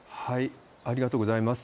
ありがとうございます。